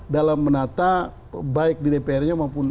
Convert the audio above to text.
dalam menata baik di dpr nya maupun mpr nya